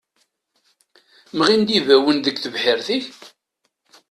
Mɣin-d ibawen deg tebḥirt-ik?